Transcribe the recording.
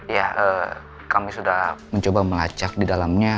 ya kami sudah mencoba melacak di dalamnya